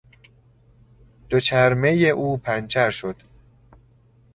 دوچرمهٔ او پنچر شد.